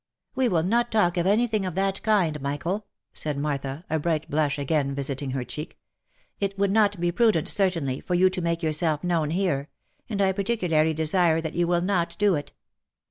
" We will not talk of any thing of that kind, Michael," said Martha, a bright blush again visiting her cheek. " It would not be prudent, certainly, for you to make yourself known here — and I particularly desire that you will not do it.